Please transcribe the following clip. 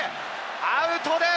アウトです。